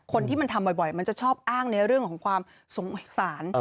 คนที่มันทำบ่อยมันจะชอบอ้างในเรื่องของความสงสาร